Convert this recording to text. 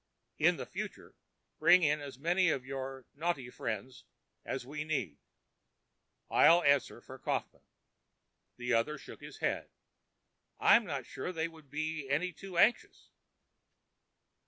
In the future, bring in as many of your Noughty friends as we need. I'll answer for Kaufmann." The other shook his head. "I'm not sure they would be any too anxious."